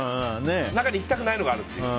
中には行きたくないのもあるという。